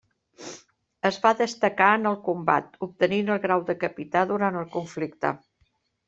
Es va destacar en el combat, obtenint el grau de capità durant el conflicte.